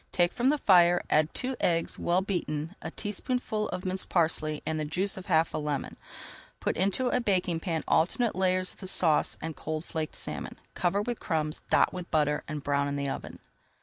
Take from the fire, add two eggs, well beaten, a teaspoonful of minced parsley and the juice of half a lemon. Put into a baking pan alternate layers of the sauce and cold flaked salmon, cover with crumbs, dot with butter, and brown in the oven.